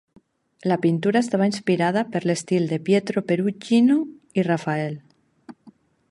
La pintura estava inspirada per l'estil de Pietro Perugino i Rafael.